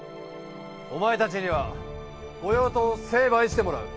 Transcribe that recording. お前たちには御用盗を成敗してもらう。